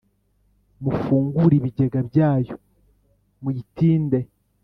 Mufungure ibigega byayo muyitinde